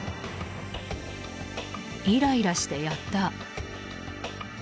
イライラしてやった。